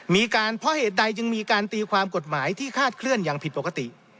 มีการเพราะเหตุใดจึงมีการตีความกฎหมายที่คาดเคลื่อนอย่างผิดปกติ